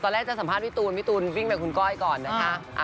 แรกจะสัมภาษณ์พี่ตูนพี่ตูนวิ่งไปคุณก้อยก่อนนะคะ